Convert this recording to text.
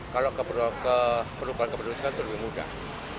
kalau keperlukan kependudukan itu lebih mudah